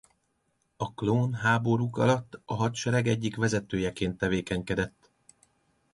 A klónháborúk alatt a hadsereg egyik vezetőjeként tevékenykedett.